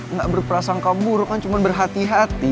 nggak berprasangka buruk kan cuma berhati hati